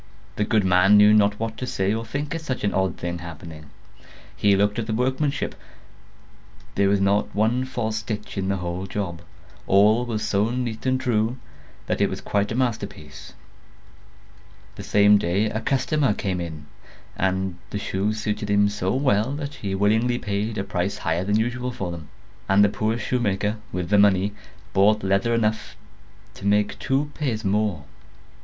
The good man knew not what to say or think at such an odd thing happening. He looked at the workmanship; there was not one false stitch in the whole job; all was so neat and true, that it was quite a masterpiece. The same day a customer came in, and the shoes suited him so well that he willingly paid a price higher than usual for them; and the poor shoemaker, with the money, bought leather enough to make two pairs more.